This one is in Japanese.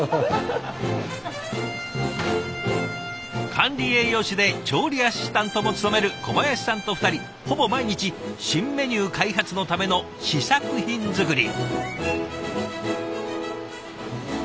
管理栄養士で調理アシスタントも務める小林さんと２人ほぼ毎日新メニュー開発のための試作品作り。